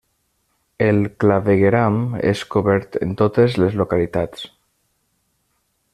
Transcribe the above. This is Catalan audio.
El clavegueram és cobert en totes les localitats.